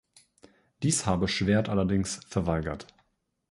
Dies habe Schwerdt allerdings verweigert.